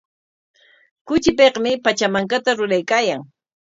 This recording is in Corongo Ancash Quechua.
Kuchipikmi Pachamankata ruraykaayan.